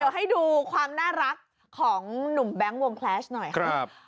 เดี๋ยวให้ดูความน่ารักของหนุ่มแบงค์วงแคลชหน่อยครับ